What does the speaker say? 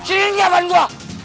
sini nih ya ban gue